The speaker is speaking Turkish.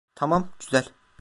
Tamam, güzel.